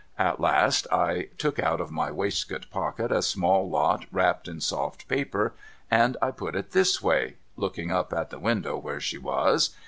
At last I took out of my waistcoat pocket a small lot wrapped in soft paper, and I put it this way (looking up at the window where she was).